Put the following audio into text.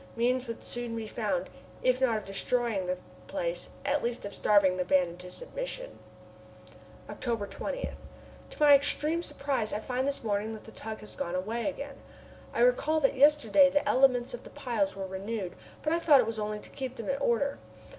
Means would soon be found, if not of destroying the place, at least of starving the band into submission! October 20. To my extreme surprise I find this morning that the tug has gone away again. I recall that yesterday the elements of the piles were renewed, but I thought it was only to keep them in order.